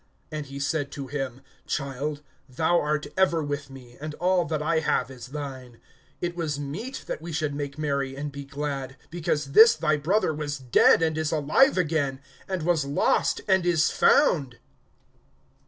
(31)And he said to him: Child, thou art ever with me, and all that I have is thine. (32)It was meet that we should make merry, and be glad; because this thy brother was dead and is alive again; and was lost, and is found.